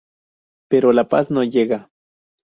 Pero la paz no llega.